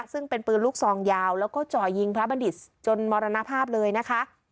ซึ่งเป็นปืนลูกซองยาวแล้วก็จ่อยิงพระบัณฑิตจนมรณภาพเลยนะคะ